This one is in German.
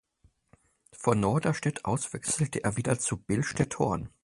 Von Norderstedt aus wechselte er wieder zu Billstedt-Horn.